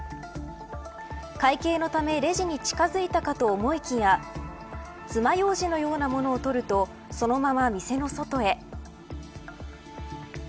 会見のためレジに近づいたかと思いきや爪楊枝のようなものを取るとそのまま店の外へ。